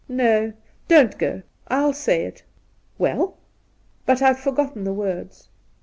' No, don't go. I'll say it.' 'Well?' * But I've forgotten the words.'